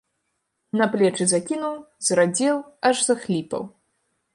На плечы закінуў, зрадзеў, аж захліпаў!